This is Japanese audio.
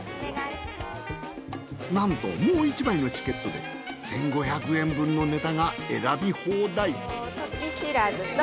なんともう一枚のチケットで１，５００円分のネタが選び放題ときしらずと。